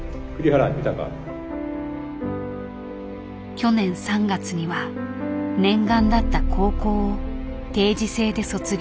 去年３月には念願だった高校を定時制で卒業。